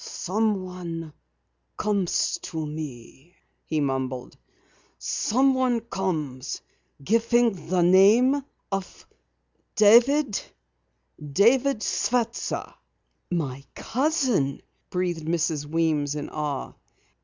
"Someone comes to me " he mumbled. "Someone comes, giving the name of David David Swester." "My cousin," breathed Mrs. Weems in awe.